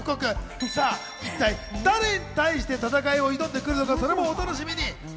一体誰に対して戦いを挑んでくるのか、お楽しみに。